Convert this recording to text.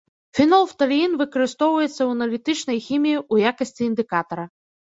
Фенолфталеін выкарыстоўваецца ў аналітычнай хіміі ў якасці індыкатара.